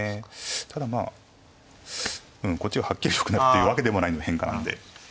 ただまあこっちがはっきりよくなるっていうわけでもない変化なんで。